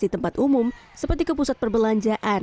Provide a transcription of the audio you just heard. di tempat umum seperti ke pusat perbelanjaan